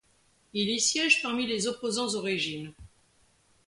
Il y siège parmi les opposants au régime.